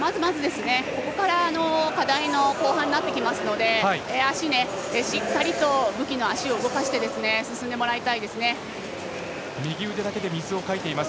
ここから課題の後半に入ってきますのでしっかり、武器の足を動かして進んでもらいたいです。